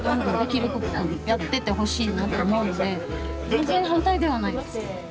全然反対ではないです。